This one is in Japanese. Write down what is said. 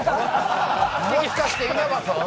もしかして稲葉さん？